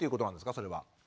それは。